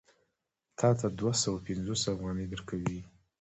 تا ته دوه سوه پنځوس افغانۍ درکوي